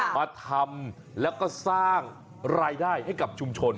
มาทำแล้วก็สร้างรายได้ให้กับชุมชน